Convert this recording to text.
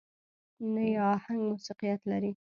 نه يې اهنګ موسيقيت لري.